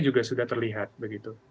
juga sudah terlihat begitu